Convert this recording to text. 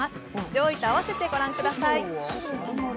上位と併せて御覧ください。